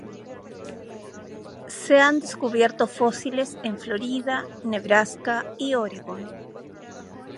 Se han descubierto fósiles en Florida, Nebraska, y Oregon.